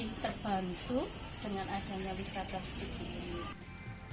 sehingga ekonomi keluarga kami lebih terbantu dengan adanya wisata setigi